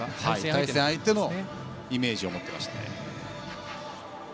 対戦相手のイメージを持っていました。